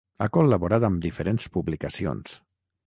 Ha col·laborat amb diferents publicacions.